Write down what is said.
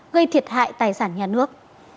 gây thiệt hại tài sản nhà nước